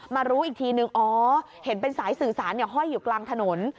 รู้อีกทีนึงอ๋อเห็นเป็นสายสื่อสารห้อยอยู่กลางถนน